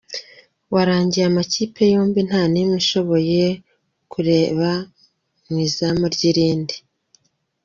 Warangiye amakipe yombi nta n’imwe ishoboye kureba mu izamu ry’indi.